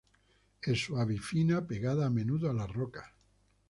Es suave y fina, pegada a menudo a las rocas.